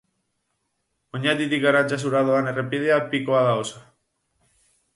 Oñatitik Arantzazura doan errepidea pikoa da oso.